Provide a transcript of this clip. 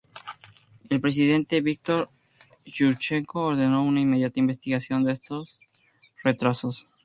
El Presidente Víktor Yúshchenko ordenó una inmediata investigación de esos retrasos.